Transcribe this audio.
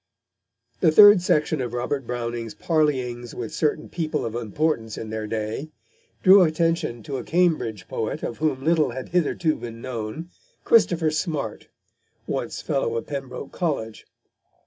The third section of Robert Browning's Parleyings with certain People of Importance in their Day drew attention to a Cambridge poet of whom little had hitherto been known, Christopher Smart, once fellow of Pembroke College.